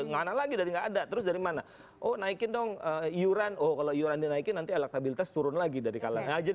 mana lagi dari nggak ada terus dari mana oh naikin dong iuran oh kalau iuran dinaikin nanti elektabilitas turun lagi dari kalangan aja